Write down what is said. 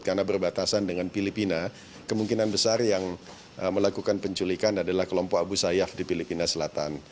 karena berbatasan dengan filipina kemungkinan besar yang melakukan penculikan adalah kelompok abu sayyaf di filipina selatan